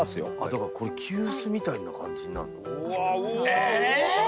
だからこれ急須みたいな感じになるの？ええーっ！